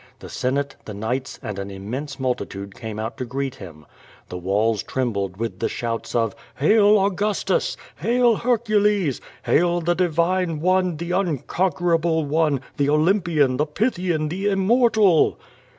The Senate, the Knights, and an im mense multitude came out to greet him. The walls trembled with the shouts of "Hail Augustus! hail Hercules! hail the di vine one, the unconquerable one, the Olympian, the Pythian, the Immortal.'